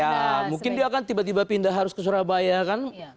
ya mungkin dia kan tiba tiba pindah harus ke surabaya kan